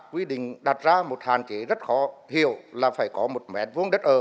quy định đặt ra một hàn chỉ rất khó hiểu là phải có một mẹt vốn đất ở